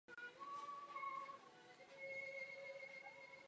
V jeho blízkosti se také nalézá Tepelná elektrárna Nikola Tesla.